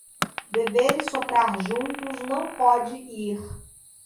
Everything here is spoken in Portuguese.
Beber e soprar juntos não pode ir.